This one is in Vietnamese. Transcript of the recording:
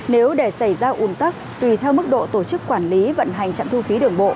nếu để xảy ra ủn tắc tùy theo mức độ tổ chức quản lý vận hành trạm thu phí đường bộ